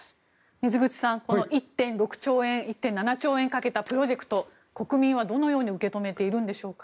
水口さん、この１．６兆円１．７兆円かけたプロジェクト国民はどのように受け止めているんでしょうか。